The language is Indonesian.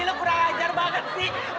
ini kurang ajar banget sih